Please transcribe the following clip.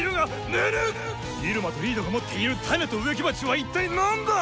ぬぬっ⁉イルマとリードが持っているタネと植木鉢は一体何だ